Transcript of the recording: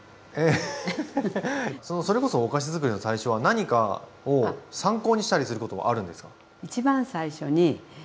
それこそお菓子づくりの最初は何かを参考にしたりすることはあるんですか？